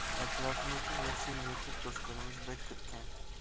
ئەتراپىمىزدا ياخشى نىيەتلىك دوستلىرىمىز بەك كۆپكەن.